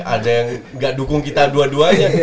ada yang gak dukung kita dua duanya